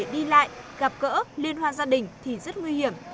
đi lại gặp gỡ liên hoan gia đình thì rất nguy hiểm